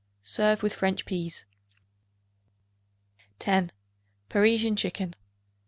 Serve with French peas. 10. Parisian Chicken.